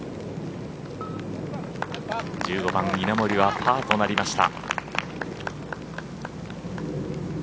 １５番稲森はパーとなりました。